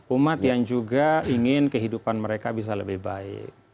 umat yang juga ingin kehidupan mereka bisa lebih baik